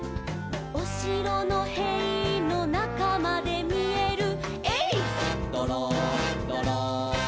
「おしろのへいのなかまでみえる」「えいっどろんどろん」